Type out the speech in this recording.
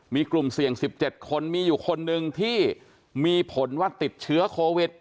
มีกลุ่มเสี่ยง๑๗คนมีอยู่คนหนึ่งที่มีผลว่าติดเชื้อโควิด